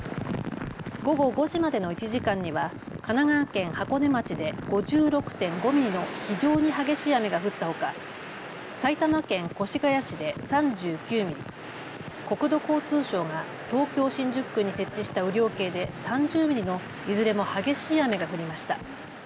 午後５時までの１時間には神奈川県箱根町で５６．５ミリの非常に激しい雨が降ったほか埼玉県越谷市で３９ミリ、国土交通省が東京新宿区に設置した雨量計で３０ミリのいずれも激しい雨が降りました。